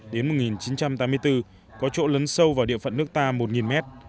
đến một nghìn chín trăm tám mươi bốn có chỗ lấn sâu vào địa phận nước ta một mét